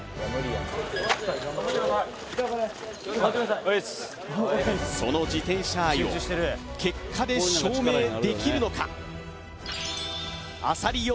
浅利陽介はその自転車愛を結果で証明できるのか？